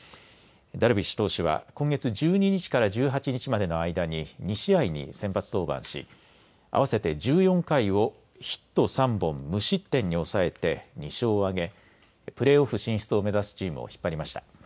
ダルビッシュ投手は今月１２日から１８日までの間に２試合に先発登板し合わせて１４回をヒット３本、無失点に抑えて２勝を挙げプレーオフ進出を目指すチームを引っ張りました。